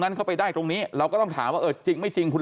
เข้าไปได้ตรงนี้เราก็ต้องถามว่าเออจริงไม่จริงคุณ